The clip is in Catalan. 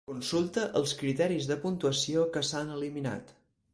Consulta els criteris de puntuació que s'han eliminat.